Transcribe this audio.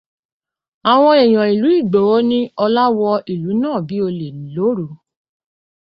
Àwọn èèyàn ìlú Ìgbòho ní Ọlá wọ ìlú náà bí olè lóru.